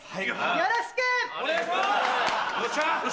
よろしく！お願いします！